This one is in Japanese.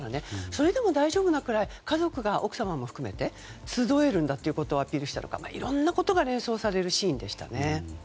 それでも大丈夫なくらい家族が奥様も含めて集えるんだということをアピールしたのかなといろんなことが連想されるシーンでしたね。